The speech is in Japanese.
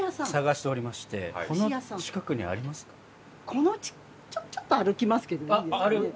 このちょっと歩きますけどいいですかね？